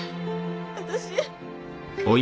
私！